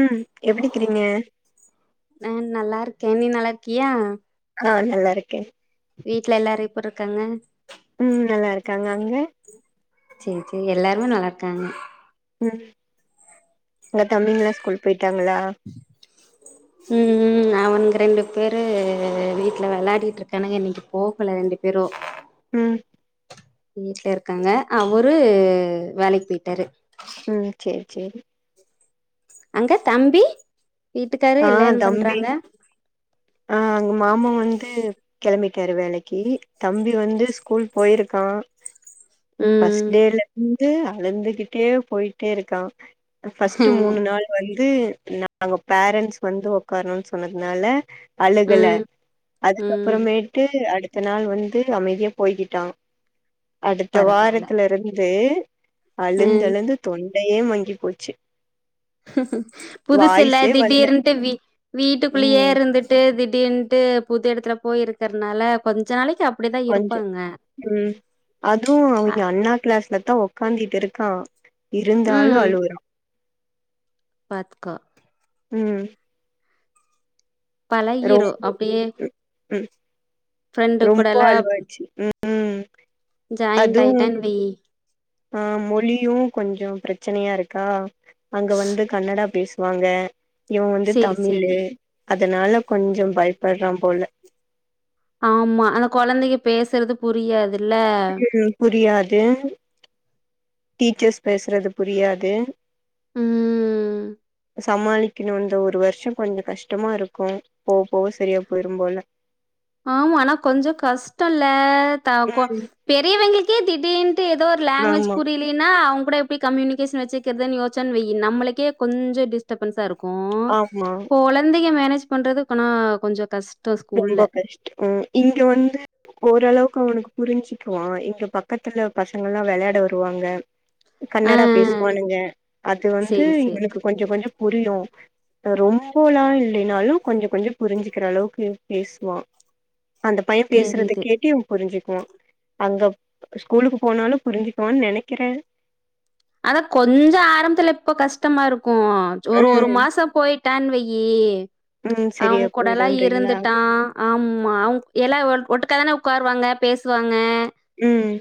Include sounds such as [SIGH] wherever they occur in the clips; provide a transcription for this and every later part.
உம் எப்டிகிறிங்க கே நீ நல்லார்க்கியா ஆ நல்லாருக்கே ப்புருக்காங்க உம் நல்லாருக்காங்க அங்க சேரி சேரி எல்லாருமே நல்லாருக்காங்க ம் அங்க தம்பிங்களா ஸ்கூல் போயிட்டாங்களா உம் ம் அவனுங்க ரெண்டு பேரு வீட்ல வெளையாடிட்ருக்கானுங்க இன்னைக்கு போகல ரெண்டுப் பே இரோ உம் வீட்ல இருக்காங்க அவரு வேலைக் பேயிட்டாரு உம் சேரி சேரி அங்க தம்பி வீட்டுக்காரு ஆ எல்லா என்ன தம்பி பண்றாங்க ஆ அங்க மாமா வந்து கெளம்பிட் ட்டாரு வேலைக்கி தம்பி வந்து ஸ்கூல் போயிருக்கா ஃபஸ்ட் ம் டேலந்து அழுந்துகிட்டே போயிட்டேருக்கா ஃபஸ்ட்டு மூனு நாள் வந்து நாங்கப் பேரண்ட்ஸ் வந்து ஒக்கார்ணுன் சொன்னதுனால அழுகல ம் ம் அதுக்கப்பறமேட்டு அடு அடுத்த நாள் வந்து அமைதியா போய்கிட்டா அடுத்த பரவால்ல வாரத்துலருந்து அ அழுந்தழுந்து தொண்டையே மங்கி போச்சு புதுசில்ல வாய்ஸே வல்ல திடீர்ன்ட்டு வீட்டுக்குல்லியே ம் இருந்துட்டு திடீன்ட்டு புது எடத்துல போய் இருக்கிறதுனால கொஞ்ச நாளைக்கு அ கொஞ்ச உம் அதுவு அ அவிங்க அண்ணா கிளாஸ் லத்தா ஒக்காந்திட்டிருக்கா இருந்தாலு அழுவுறா பாத்க்கோ உம் பழகிரு அப்டியே ம் ம் ஃப்ரெண்டு ரொம்ப அழுவாச்சு உம் உம் ஜாயின்ட் ஆயிட்டான்னு வெய் ஆஹ் மொழியும் கொஞ்சம் பிரச்சனையா இருக்கா அங்க வந்து கன்னடா பேசுவாங்க இவன் வந்து சேரி சேரி தமிழு அதனால கொஞ்சம் பயப்பறான் போல ஆமா அந்த கொழந்தைங்க பேசுறது புரியாது உம் புரியாது டீச்சர்ஸ் பேசுறது புரியாது உம் சமாளிக்கணும் இந்த ஒரு வருஷம் கொஞ்சம் கஷ்டமா இருக்கும் போக போக சரியா போயிரும்போல ஆமா ஆனா கொஞ்சம் கஷ்டம் இல்ல தாக்க ம் பெரியவங்களுக்கே திடீர்னு ஏதோ ஒரு லாங்குவேஜ் ஆமா புரியலன்னா அவங்க இப்டியே எப்டி கம்யூனிகேஷன் வச்சுக்கிறதுனு யோசிச்சேனு வைய்யி நம்மளுக்கே கொஞ்ச டிஸ்டபன்ஸா இருக்கும் ஆமா க்கும் கொழந்தைங்க மேனேஜ் பண்றது இப்பனா கொஞ்சம் கஷ்டம் ஸ்கூல்ல ஆஹ் இங்க வந்து ஓரளவுக்கு அவனுக்கு புரிஞ்சுக்குவான் இங்க பக்கத்துல பசங்கலாம் வெளையாட வருவாங்க ஆ கன்னடா பேசுவானுங்க அது வந்து சேரி சேரி எனக்கு கொஞ்சம் கொஞ்சம் புரியும் ரொம்பலாம் இல்லைனாலும் கொஞ்சம் கொஞ்சம் புரிஞ்சுக்கிற அளவுக்கு பேசுவான் அந்த பையன் பேசுறதை தெரியுது கேட்டி இவன் புரிஞ்சு அங்க ஸ்கூலுக்கு போனாலும் புரிஞ்சுக்குவான்னு நெனைக்கிறே அதான் கொஞ்சம் ஆரம்பத்துல இப்ப கஷ்டமா இருக்கும் போவான் ஒரு ஒரு ம் மாசம் போயிட்டானுவய்யி ம் அவன் சரியா கூடலாம் போயிடுன்றீங்களா இருந்துட்டான் ஆமா அவன் எல்லாம் ஒரு காதான உட்காருவாங்க பேசுவாங்க உம்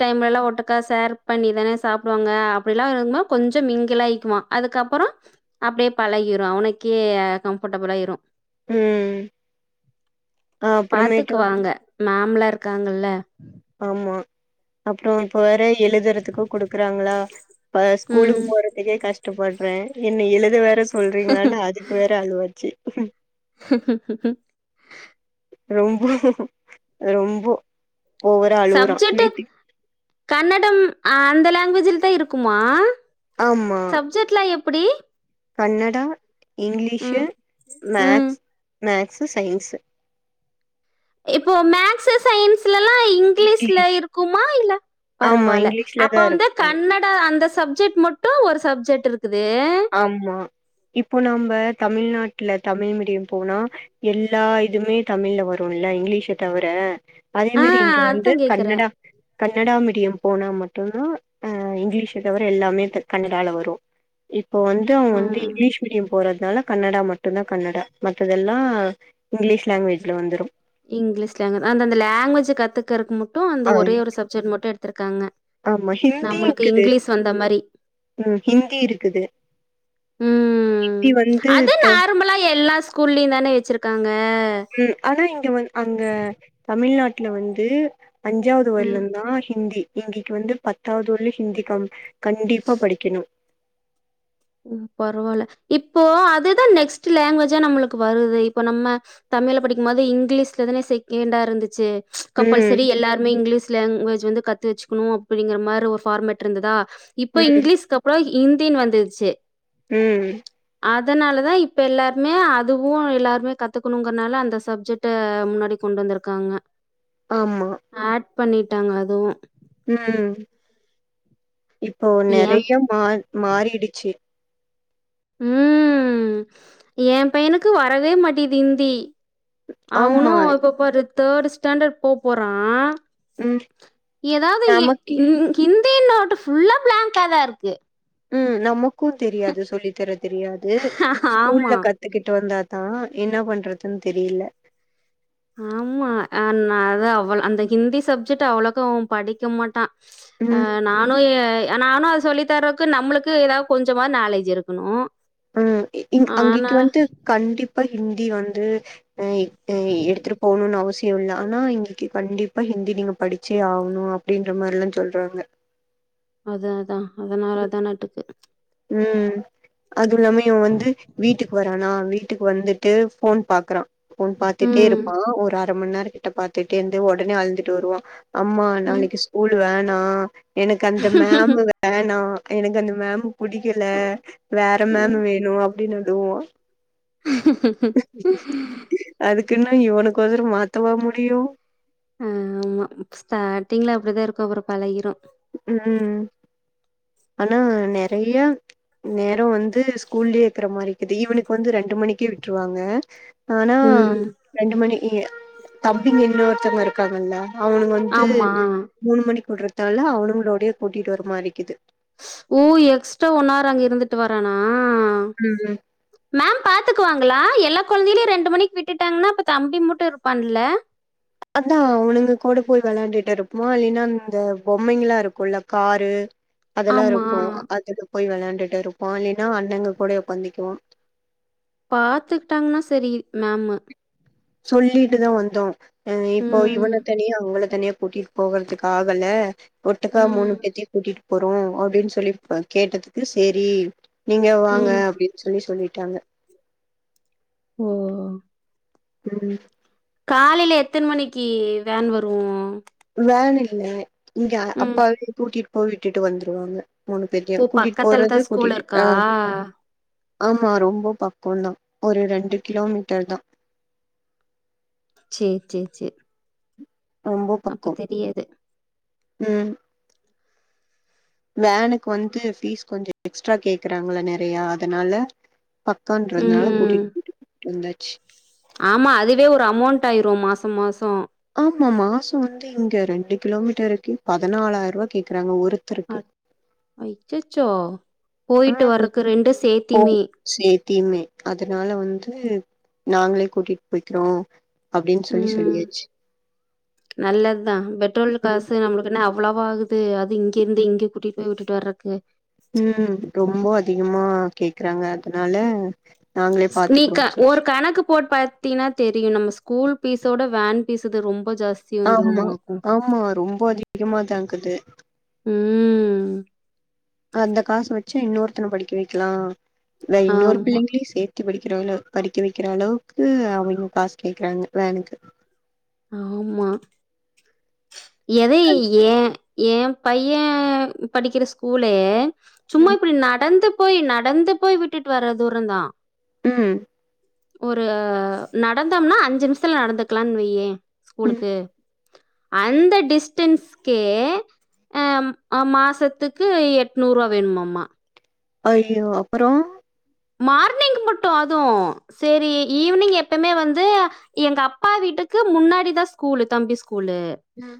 டைம்லலாம் ஒட்டக்கா ஷேர் பண்ணி தானே சாப்பிட ப்பாங்க அப்டிலாம் இருந்தா கொஞ்சம் மிங்கிலாகிக்குவ அதுக்கப்பறம் அப்படியே பழகிடும் அவனுக்கே கம்பர்டபிளாகிரும் ம் அ அப்புறமேட்டு பாத்துக்கு வாங்க மேம்ளா இருக்காங்கல்ல ஆமா அப்புறம் இப்ப வேற எழுதுறதுக்கும் குடுக்குறாங்களா ஸ்கூலுக்கு ம் போறதுக்கே கஷ்டப்படுறேன் என்ன எழுத வேற சொல்றீங்களானு அதுக்கு வேற அழுவாச்சி உம் ரொம்போ ரொம்போ ஓவரா அழுவுறா சப்ஜெக்ட்டு, வீட்டுக் கன்னடம் அந்த லாங்குவேஜ்ல தான் இருக்குமா ஆமா சப்ஜெக்ட்லாம் எப்படி கன்னடா, இங்கிலீஷு, ம் மேக்ஸ் மேக்ஸு, சயின்ஸு இப்போ மேக்ஸு சயின்ஸ் லலாம் இங்கிலீஷ்ல இங்கிலீஷ் இருக்குமா இல்ல ஆமா பரவாயில்ல இங்கிலீஷ்ல அப்ப தா வந்து இருக்கு கன்னட அந்த சப்ஜெக்ட் மட்டும் ஒரு சப்ஜெக்ட் இருக்குது ஆமா இப்போ நாம்ப தமிழ்நாட்டுல தமிழ் மீடியம் போனா எல்லா இதுமே தமிழ்ல வரும் ல இங்கிலீஷ தவிர அதே ஆ மாரி இங்க அதா வந்து கேக்குறே கன்னடா கன்னடா மீடியம் போனா மட்டும்தான்ஹ இங்கிலீஷ தவிர எல்லாமே கன்னடால வரும் இப்ப வந்து அவங்க வந்து ம் இங்கிலீஷ் மீடியம் போறது அதனால கன்னடா மட்டும்தான் கன்னடா மத்ததெல்லாம் இங்கிலீஷ் லாங்குவேஜில வந்துடும் இங்கிலீஷ் லங்கஜ் அந்த அந்த லாங்குவேஜ் கத்துக்கறக்கு மட்டும் அந்த ஆ ஒரே ஒரு சப்ஜெக்ட் மட்டும் எடுத்திருக்காங்க ஆமா ஹிந்தி நம்மளுக்கு இருக்குது இங்கிலீஷ் வந்த மாரி உஹம் ஹிந்தி இருக்குது உம் ஹிந்தி வந்து அது த- நார்மலா எல்லா ஸ்கூல்லயும் தானே வச்சிருக்காங்க ம் ஆனா இங்க வந்த் அங்க தமிழ்நாட்ல வந்து அஞ்சாவது ம் வருடம் தான் ஹிந்தி இங்கைக்கு வந்து பத்தாவுது ஒன்லி ஹிந்திகம் கண்டிப்பா படிக்கணு ஓ பரவால இப்போ அதுதான் நெக்ஸ்ட் லாங்குவேஜா நம்மளுக்கு வருது இப்போ நம்ம தமிழ படிக்கும்போது இங்கிலீஷில தானே செகண்டாக இருந்துச்சு ம் கம்பல்சரி எல்லாருமே இங்கிலீஷ் லாங்குவேஜ் வந்து கத்து வச்சுக்கணு அப்டிங்க மாதிரி ஒரு ஃபார்மெட் இருந்துதா இப்ப ம் இங்கிலீஷ்க்கு அப்புறம் ஹிந்தினு வந்துருச்சு ம் அதனால தான் இப்போ எல்லாருமே அதுவு எல்லாருமே கத்துக்குணுங்கிறனால அந்த சப்ஜெக்ட்டை முன்னாடிக் கொண் கொண்டு வந்திருக்காங்க ஆமா ஆட் பண்ணிட்டாங்க அதுவும் உம், இப்போ ஏன் நிறைய மா மாறிடுச்சு ம்ம் ஏன் பையனுக்கு வரவே மாட்டேக்குது ஹிந்தி ஆமா. அவுனும் இப்பபா தேர்டு ஸ்டாண்டர்ட் போ போறான் ம். ஏதாவது நமக்கு இந் ஹிந்தி நோட்டு ஃபுல்லா பிளாங்காதான் இருக்கு உம் நமக்கு தெரியாது சொல்லி தர தெரியாது ஆமா ஸ்கூல்ல கத்துக்கிட்டு வந்தா தான் என்ன பண்றதுன்னு தெரியல ஆம்மா [UNINTELLIGIBLE] அந்த ஹிந்தி சப்ஜெக்ட் அவ்ளக்கு படிக்க மாட்டான் ம். அஹ் நானும் ஏய் நானு அது சொல்லி தரக்கு நம்மளுக்கு எதோ கொஞ்சமா நாலேஜ் இருக்குணு ம் இங் அங்கைக்கு வந்து கண்டிப்பா இங் ஹிந்தி வந்து [UNINTELLIGIBLE] எடுத்துட்டு போணுன்னு அவசியோயில்ல ஆனா இங்கைக்கு கண்டிப்பா ஹிந்தி நீங்க படிச்சே ஆவுணு அப்படின்ற மாரிலாம் சொல்றாங்க அதுஅதான் அதனாலதான் நாட்டுக்கு உம் அதுல்லாமே இவன் வந்து வீட்டுக்கு வரானா வீ இப்ப வந்துட்டு ஃபோன் பாக்குறான் ஃபோன் பாத்துட்டே ம் இருப்பான் ஒரு அர் ரொம்பநேரம் கிட்ட பாத்துட்டே இருந்து உடனே அழுத்துட்டு வருவான் அம்மா ம் நாளைக்கு ஸ்கூல் வேணா எனக்கு அந்த மேம் வேணாம் எனக்கு அந்த மேம் புடிக்கல வேற மேம் ம். வேணும் அப்படின்னுதுவ [UNINTELLIGIBLE] அதுக்ன்னு இவனுக்கு உசுறு மாத்தவ முடியும் அஹ்ன் ஆமா ஸ்டார்ட்டிங்ல அப்டிதான் இருக்கு அப்புற பழகிரு உம் ஆனா நிறைய நேரம் வந்த் இது ஸ்கூலே இருக்கிற மாரி இது இவனுக்கு வந்து ரெண்டு எட்டு மணிக்கே விட்டுறுவாங்க ஆனா ம் ரெண்டு மணி ஏ தம்பிங்க இன்னொருத்தவுங்க இருக்காங்கல அவனுங்க வந்து ஆமா மூணு மணிக்கு உடுற [UNINTELLIGIBLE] அவனுங்களோடையே கூட்டிட்டு வர மாரிக்குது ஓ எக்ஸ்ட்ரா ஒன்னார் அங்க இருந்துட்டு வரனா ஆஹ்ன் ம் ம் மேம் பாத்துக்குவாங்களா எ ல்லா கொழந்தையளையு ரெண்டு மணிக்கு விட்டுட்டாங்கன்னா அப்ப தம்பி மட்டு இருப்பான்ல அதான் அவனுங்க கூடு போய் வெளயாண்டுட்டு இருப்பா இல்லைனா அந்த பொம்மைங்களா இருக்குல்ல காரு அதெல்லா ஆமா இருக்கு அதில போய் வெளயாண்டுட்டு இருப்பா இல்லேன்னா அண்ணங்க கூட உக்காந்திக்குவா பாத்துகிட்டாங்கனா சரி மேம்மு சொல்லிட்டு தா வந்தோ அஹ்ன் இப்போ ம் இவன தனியா அவங்களத் தனியா கூட்டிட்டு போகறதுக்கு ஆகல ஒட்டுக்கா மூணு ம் பேத்தையு கூட்டிட்டு போறோ அப்டின்னு சொல்லி பா கேட்டதுக்கு செரி நீங்க வாங்க ம் அப்டின்னு சொல்லி சொல்லி ட்டாங்க ஓ உம் காலைல எத்தன் மணிக்கி வேன் வரு வேன் இல்ல இங்க ம் அப்பாவே கூட்டிட்டு போய் விட்டுட்டு வந்துருவாங்க மூணு பேத்தயு ஓ கூட்டிட்டு பக்கத்துலதா போறது ஸ்கூல் கூட்டிட்டு இருக்கா ஆஹ் ஆமா ரொம்போ பக்கந்தா ஒரு ரெண்டு கிலோமீட்டர் தா சேரி சேரி சேரி அப்ப தெரியாது உம் வேனுக்கு வந்து ஃபீஸ் கொஞ்சோ எக்ஸ்ட்ரா கேக்குறாங்கள நெறையா அதனால பக்கன்றதுனால ம் கூட்டிட்டு [INAUDIBLE] வந்தாச்சி ஆமா அதுவே ஒரு அமௌண்ட் ஆயிரு மாச மாசோ ஆமா மாசோ வந்து இங்க ரெண்டு கிலோமீட்டருக்கே பதினாலாயிர ருவா கேக்குறாங்க ஒரு ஒருத்தருக்கு அய்ச்சச்சோ ஓ சேஃப்டிமே அதனால வந்து நாங்களே கூட்டிட்டு போய்கிறோ உம் நல்லதுதா பெட்ரோல் ம் காசு நம்மளுக்கு என்ன அவ்வளவா ஆகுது து அது இங்க இந்து இங்க கூட்டிட்டு போய் வுட்டுட்டு வர்றக்கு உம் ரொம்போ அதிகமா கேக்குறாங்க அதனால நாங்களே நீ பாத்துக்குறோம் க சொல்லி ஒரு கணக்கு போட் பாத்தீன்னா தெரியு நம்ம ஸ்கூல் பீஸோட வேன் பீஸு தா ரொம் ஆமா ஆமா ரொம்ப அதிகமாதா ஆகுது உம் அந்த காசு வச்சி இன்னொருத்தன படிக்க வைக்கலா இல இன்னொரு ஆமா பிள்ளைங்களையு சேத் கி படிக்கிறளவு படிக்க வெக்கிற அளவுக்கு அவிங்க காசு கேக்குறாங்க வேனுக்கு ஆமா எதைய அது ஏ ஏ பைய படிக்கிற ஸ்கூலே சும்மா ம் இப்டி நடந்து போய் நடந்து போய் விட்டுட்டு வர்ற தூரந்தா உம் ஒரு நடந்தோம்னா அஞ்சு நிமிஷத்துல நடந்துக்கலான்னு வய்யே ம் ஸ்கூலுக்கு அந்த டிஸ்டன்ஸ்கே அம் ஆ மாசத்துக்கு எட்நூறுவா வேணுமாமா ஐயோ அப்பறோ மார்னிங் மட்டு அதுவு சேரி ஈவினிங் எப்பமே வந்து எங்க அப்பா வீட்டு க்கு முன்னாடி தா ஸ்கூல் தம்பி ஸ்கூ கூல் ம்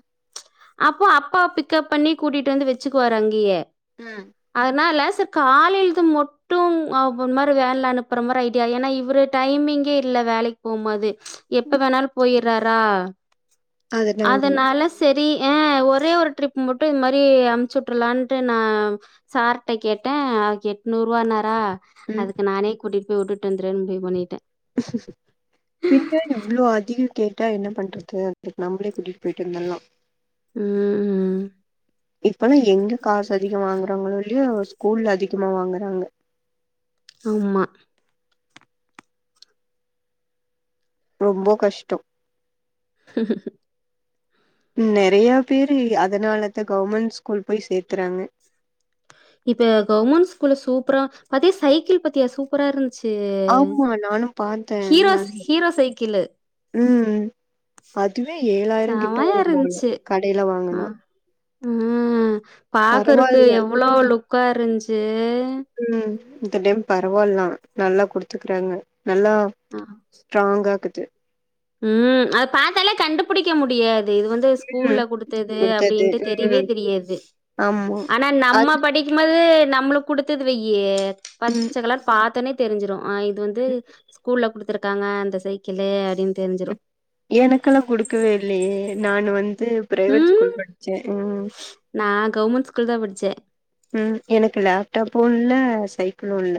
அப்போ அப்பா பிக்கப் பண்ணி கூட்டிட்டு வந்து வச்சுக்குவாரு அங்கயே ம் அதனால சர் காலையழுது மொட்டு ஒன் மாரி வேன்ல அனுப்பற மாரி ஐடியா ஏன்னா இவரு டைமிங்கே இல்ல வேலைக்கு போம்போது எப்ப வேணாலு போயறாரா அதனால சரி ஆ [UNINTELLIGIBLE] ஒரே ஒரு ட்ரிப் மட்டு இது மாரி அமுச்சு விட்ரலான்ட்டு நா சார்ட்ட கேட்ட கே நூறுவா நாரா ம் அதுக்கு நானே கூட்டிட்டு போய் உட்டுட் பின்ன எவ்ளோ அதி கேட்டா என்ன பண்றது அதுக்கு நம்ளே கூட்டிகிட்டு போயிட்டு வந்தர்லா ம். இப்பல்லா எங்க காசு அதிகோ வாங்குறாங்களோ இல்லையோ ஸ்கூல்ல அதிகமா வாங்குறாங்க ஆமா ரொம்ப கஷ்டோ ஹ நெறையா பேரு அதனாலத கவுமண்ட் ஸ்கூல் போய் சேத்தறாங்க இப்ப கவுமெண்ட் ஸ்கூல்ல சூப்பரா அதே சைக்கிள் பத்தியா சூப்பராருந் ஆமா நானு பாத்தே ந ஹீரோஸ் ஹீரோ சைக்கிளு ம் அதுவே ஏழாயிரங்கிட்ட செமையா வரும்போல இருந்துச்சு. கடைல ஆ. வாங்குனா ம் பாக்குறக்கு பரவால்ல எவ்ளோ லுக்காருன்ச்சு ம் இந்த டைம் பரவால்லா நல்லா குடுத்துக்குறாங்க நல்லா அ. ஸ்ட்ராங்கா க்குது ம் அது பாத்தாலே கண்டுபுடிக்க முடியா து இது வந்து ஸ்கூல்ல ம் குடுத்தது அப்டின்ட்டு தெரியவே தெரியாது ஆமா ஆனா நம்ம அது படிக்கம்பது நம்ளுக்கு குடுத்தது வையி ம் பச்ச கலர் பாத்தொன்னே தெரிஞ்சிரு ஆ இது வந்து ஸ்கூல்ல குடுத்துருக்காங்க அந்த சைக்களு அடின் எனக்கல்லா குடுக்கவே இல்லயே நானு வந் ந்து பிரைவேட் ம். ஸ்கூல் பச்சே ம் நான் கவர்மெண்ட் ஸ்கூல் தான் படிச்சேன். ம் எனக்கு லேப்டாப்பு இல்ல சைக்களு இல்ல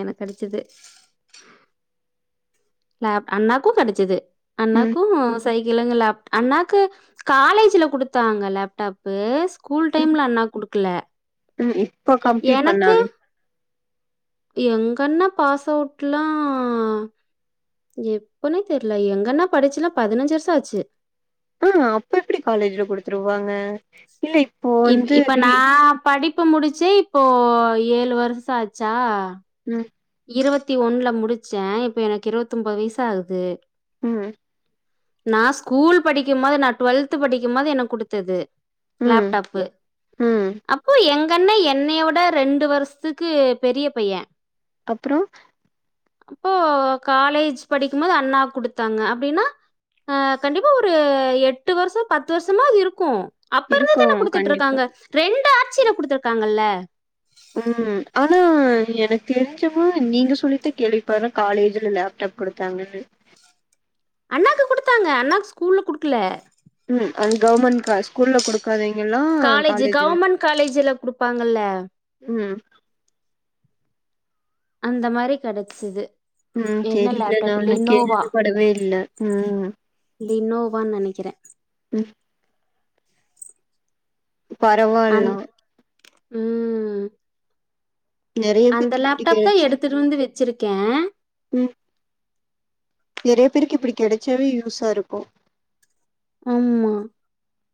எனக் கெடச்சிது ந அண்ணாக்கு கெடச்சிது ம் அண்ணாக்கு சைக்களு அங் லேப் அண்ணாக்கு காலேஜ்ல குடுத்தாங்க லேப்டாப்பு ஸ்கூல் ம் டைம்ல அண்ணாக் குடுக்குல ம் இப்ப கம்ப்ளீட் எனக்கு பண்ணாங்க எங்கண்ண பாஸவுட்லா எப்பனே தெர்ல எங்கண்ண படிச்சுலா பதினஞ்சு வர்ஷோ ஆச்சு ஆ அப்ப எப்டி காலேஜ்ல குடுத்துருவாங்க இல்ல இப்போ இப் வந்து இப்ப ரீ நா படிப்பு முடிச்சே இப்போ ஏழு வர்சோ ஆச்சா ம் இரவத்தி ஒன்ல முடிச்சே இப்போ எனக் இரவத்தொம்போது வய்ஸ் ஆகுது ம் நா ஸ்கூல் படிக்கும்பது நா டுவெல்த்து படிக்கம்போது எனக் குடுத்தது ம் லேப்டாப்பு ம் அப்போ எங் கண்ண என்னைய விட ரெண்டு வர்ஸ்த்துக்கு பெரிய பையெ அப்றோ அப்போ காலேஜ் படிக்கும்போது அண்ணாக் குடுத்தாங்க அப்டின்னா ஆ கண்டிப்பா ஒரு எட்டு வர்ஷோ பத்து வர்ஷமா அது இருக்கு அப்பருந்து இருக்கு தான கண்டிப்பா குடுத்துட்ருக்காங்க ரெண்டு ஆட்சில குடுத்துருக்காங்கல்ல ம் ஆனா எனக்கு தெரிஞ்சமா நீங்க சொல்லி தா கேள்விப்பர்ர காலேஜில லேப்டாப் குடுத்தாங்கன்னு அண்ணாக்கு குடுத்தாங்க அண்ணாக் ஸ்கூல்ல குடுக்குல ம் அங் கவுமெண்ட் கால்ஜ் ஸ்கூல்ல குடுக்காதிங் எல்லா காலேஜ் காலேஜி கவர்ன்மெண்ட் காலேஜ்ல குடுப்பாங்கல்ல. ம் அந்த மாரி கெடச்சிது ம் தெரில நானு கே இது படவே இல்ல ம் லினோவான் நெனைக்குறே ம் அந் பரவால்லோ ம் நெறைய அந்த பேத்துக்கு இப்டி லேப்டாப் தா கெடச்சா எடுத்துட்டு வந்து வெச்சிருக்கே ம் நெறைய பேருக்கு இப்டி கெடச்சாவே யூஸாருக்கு ஆம்மா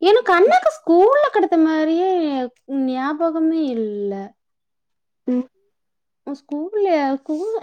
எனக்கு அண்ணாக்கு ஸ்கூல்ல குடுத்த மாரியே ஞாபகமே இல்ல ம் அ ஸ்கூல்லே ஸ்கூல்